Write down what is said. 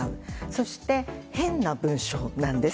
そして変な文章なんです。